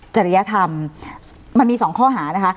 จริยธรรมมันมี๒ข้อหานะคะ